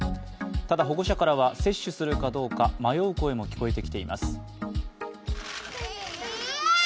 ただ、保護者からは接種するかどうか迷う声も聞こえてきています。